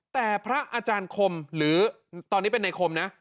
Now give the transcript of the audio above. แต่พระอาจารย์คมหรือตอนนี้เป็นในคมนะ